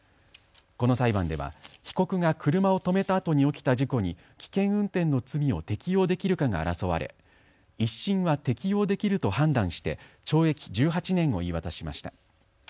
この裁判では被告が車を止めたあとに起きた事故に危険運転の罪を適用できるかが争われ１審は適用できると判断して懲役１８年を言い渡しました。